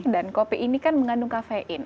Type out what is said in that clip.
dan kopi ini kan mengandung kafein